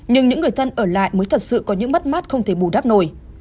nhưng những người thân ở lại mới thật sự có những mất mát không thể bù đắp nổi